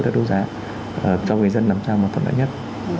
để đấu giá cho người dân làm sao mà thuận lợi nhất